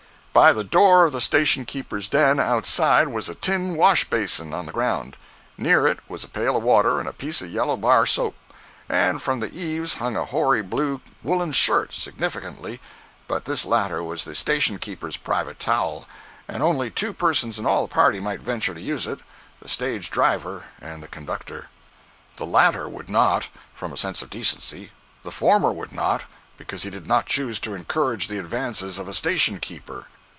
By the door of the station keeper's den, outside, was a tin wash basin, on the ground. Near it was a pail of water and a piece of yellow bar soap, and from the eaves hung a hoary blue woolen shirt, significantly—but this latter was the station keeper's private towel, and only two persons in all the party might venture to use it—the stage driver and the conductor. The latter would not, from a sense of decency; the former would not, because he did not choose to encourage the advances of a station keeper.